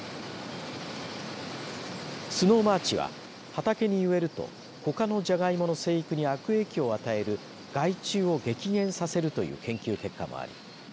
スノーマーチは畑に植えるとほかのじゃがいもの生育に悪影響を与える害虫を激減させるという研究結果もあり